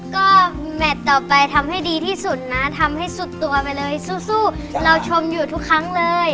ก็แมทต่อไปทำให้ดีที่สุดนะทำให้สุดตัวไปเลยสู้เราชมอยู่ทุกครั้งเลย